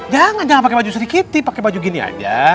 jangan jangan pakai baju sedikiti pakai baju gini aja